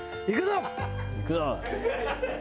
「いくぞ！」